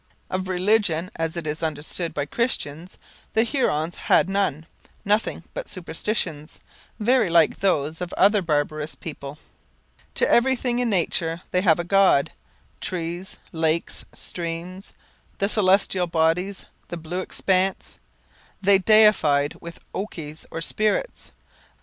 Of religion as it is understood by Christians the Hurons had none, nothing but superstitions, very like those of other barbarous peoples. To everything in nature they gave a god; trees, lakes, streams, the celestial bodies, the blue expanse, they deified with okies or spirits.